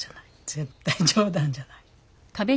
絶対冗談じゃない。